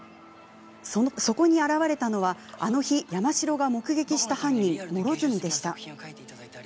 そこに現れたのは、あの日山城が目撃した犯人・両角でした。